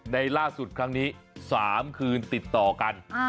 ในล่าสุดครั้งนี้๓คืนติดต่อกัน